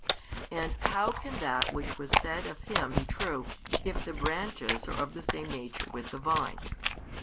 And how can that which was said of Him be true, if the branches are of the same nature with the vine?